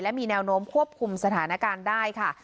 มีแนวโน้มควบคุมสถานการณ์ได้ค่ะ